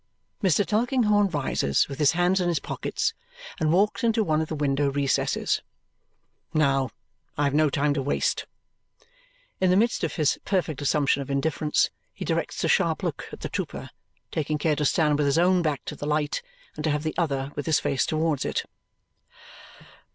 Mr. Tulkinghorn rises with his hands in his pockets and walks into one of the window recesses. "Now! I have no time to waste." In the midst of his perfect assumption of indifference, he directs a sharp look at the trooper, taking care to stand with his own back to the light and to have the other with his face towards it.